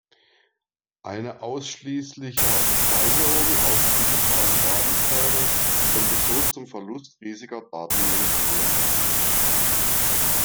Eine ausschließlicher Speicherung auf digitalen Datenträgern könnte so zum Verlust riesigen Datenmengen führen.